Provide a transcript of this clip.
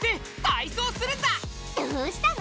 どうしたの？